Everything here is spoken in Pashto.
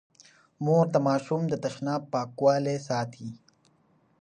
مور د ماشوم د تشناب پاکوالی ساتي.